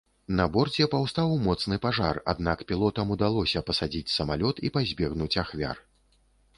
На борце паўстаў моцны пажар, аднак пілотам удалося пасадзіць самалёт і пазбегнуць ахвяр.